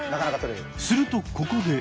するとここで。